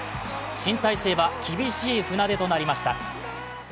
新体制は厳しい船出となりました。